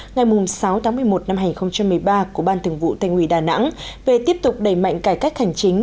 ngày sáu tháng một mươi một năm hai nghìn một mươi ba của ban thường vụ thành ủy đà nẵng về tiếp tục đẩy mạnh cải cách hành chính